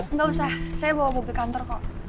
nggak usah saya bawa mobil kantor kok